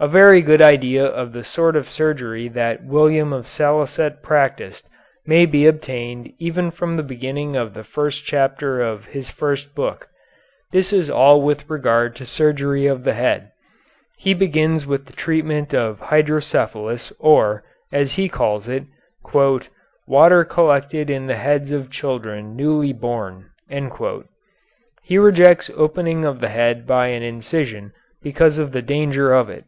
A very good idea of the sort of surgery that William of Salicet practised may be obtained even from the beginning of the first chapter of his first book. This is all with regard to surgery of the head. He begins with the treatment of hydrocephalus or, as he calls it, "water collected in the heads of children newly born." He rejects opening of the head by an incision because of the danger of it.